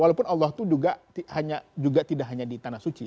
walaupun allah itu juga tidak hanya di tanah suci